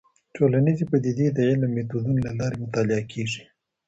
ټولنيزې پديدې د علمي ميتودونو له لارې مطالعه کيږي.